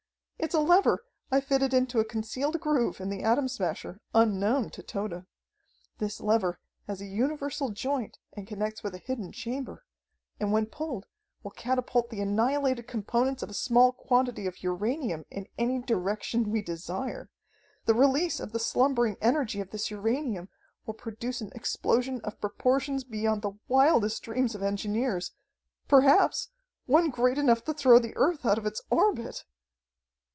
It's a lever I fitted into a concealed groove in the Atom Smasher unknown to Tode. This lever has a universal joint and connects with a hidden chamber, and when pulled will catapult the annihilated components of a small quantity of uranium in any direction we desire. The release of the slumbering energy of this uranium will produce an explosion of proportions beyond the wildest dreams of engineers perhaps, one great enough to throw the Earth out of its orbit!"